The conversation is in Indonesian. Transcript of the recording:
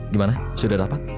gimana sudah dapat